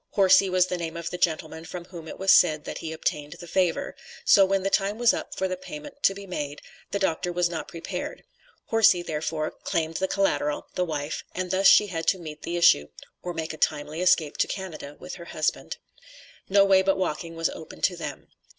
Horsey was the name of the gentleman from whom it was said that he obtained the favor; so when the time was up for the payment to be made, the Dr. was not prepared. Horsey, therefore, claimed the collateral (the wife) and thus she had to meet the issue, or make a timely escape to Canada with her husband. No way but walking was open to them.